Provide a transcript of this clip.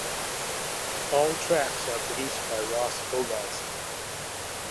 All tracks are produced by Ross Hogarth.